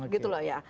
gitu loh ya